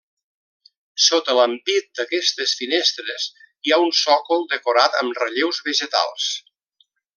Sota l'ampit d'aquestes finestres hi ha un sòcol decorat amb relleus vegetals.